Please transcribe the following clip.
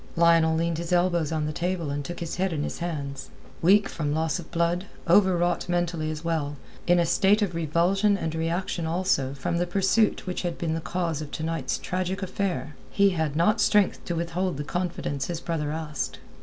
Lionel leaned his elbows on the table and took his head in his hands. Weak from loss of blood, overwrought mentally as well, in a state of revulsion and reaction also from the pursuit which had been the cause of to night's tragic affair, he had not strength to withhold the confidence his brother asked.